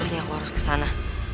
sebenernya aku harus kesana